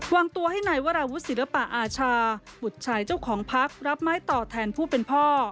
วางตัวให้นายวราวุฒิศิลปะอาชาบุตรชายเจ้าของพักรับไม้ต่อแทนผู้เป็นพ่อ